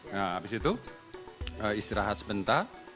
nah habis itu istirahat sebentar